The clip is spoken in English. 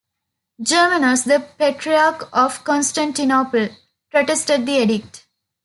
Germanos, the patriarch of Constantinople, protested the edict.